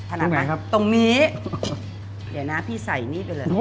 ขนาดนั้นครับตรงนี้เดี๋ยวนะพี่ใส่นี่ไปเลย